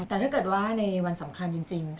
แต่ถ้าเกิดว่าในวันสำคัญจริง